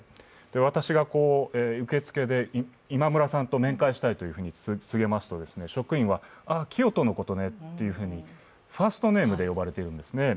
私が、受け付けで今村さんと面会したいと告げますと職員は、ああ、磨人のことねというふうにファーストネームで呼ばれているんですね。